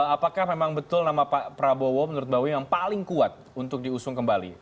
apakah memang betul nama pak prabowo menurut mbak wiwi yang paling kuat untuk diusung kembali